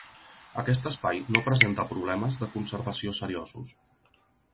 Aquest espai no presenta problemes de conservació seriosos.